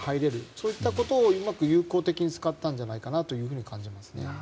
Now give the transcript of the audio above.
そういったことをうまく有効的に使ったんじゃないかとも感じますね。